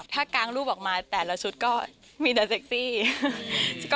ถ้ากางรูปออกมาแต่ละชุดก็มีแต่เซ็กซี่